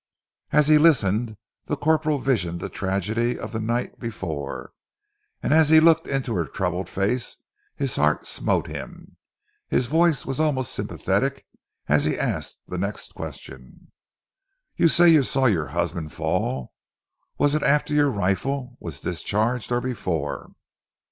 As he listened the corporal visioned the tragedy of the night before, and as he looked into her troubled face, his heart smote him. His voice was almost sympathetic as he asked the next question. "You say you saw your husband fall? Was it after your rifle was discharged or before?"